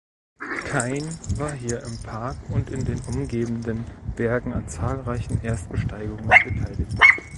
Kain war hier im Park und in den umgebenden Bergen an zahlreichen Erstbesteigungen beteiligt.